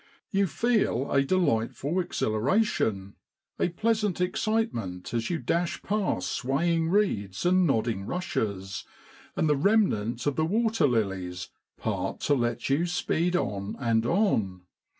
You feel a delightful exhilaration, a pleasant excitement, as you dash past swaying reeds and nodding rushes, and the remnant of the water lilies part to let you speed on and on.